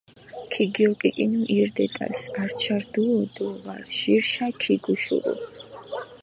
ქიგიოკიკინუ ირ დეტალს, ართშა რდუო დო ვარ ჟირშა ქიგუშურუ.